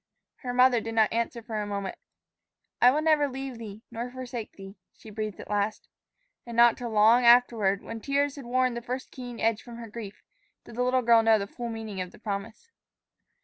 Her mother did not answer for a moment. "'I will never leave thee, nor forsake thee,'" she breathed at last. And not till long afterward, when tears had worn the first keen edge from her grief, did the little girl know the full meaning of the promise.